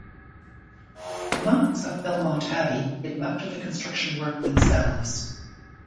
The monks of Belmont Abbey did much of the construction work themselves.